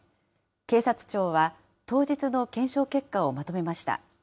警察庁は、当日の検証結果をまとめました。